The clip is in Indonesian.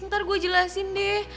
ntar gue jelasin deh